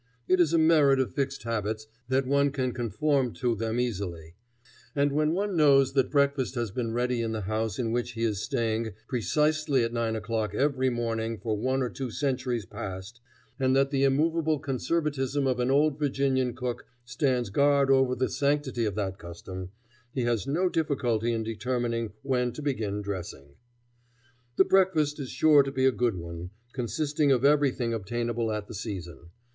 It is a merit of fixed habits that one can conform to them easily, and when one knows that breakfast has been ready in the house in which he is staying precisely at nine o'clock every morning for one or two centuries past, and that the immovable conservatism of an old Virginian cook stands guard over the sanctity of that custom, he has no difficulty in determining when to begin dressing. The breakfast is sure to be a good one, consisting of everything obtainable at the season.